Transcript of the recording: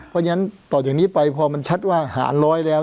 เพราะฉะนั้นต่อจากนี้ไปพอมันชัดว่าหารร้อยแล้ว